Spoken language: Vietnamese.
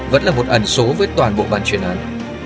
vẫn là một ẩn số với toàn bộ bản truyền án